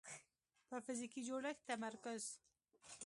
په فزیکي جوړښت تمرکز